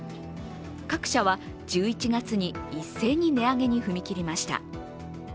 各社は１１月に一斉に値上げに踏み切りました。